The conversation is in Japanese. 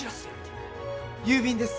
郵便です。